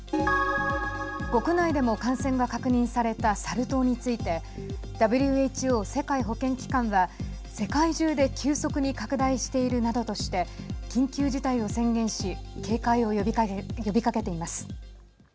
国内でも感染が確認されたサル痘についてＷＨＯ＝世界保健機関が世界中で急速に拡大しているなどとして緊急事態を宣言し警戒を呼びかけています。